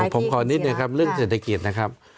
ผมขอนิดหนึ่งครับเรื่องเศรษฐกิจนะครับ